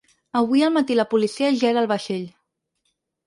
Avui al matí la policia ja era al vaixell.